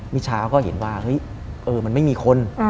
มิชชาเขาก็เห็นว่ามันไม่มีคน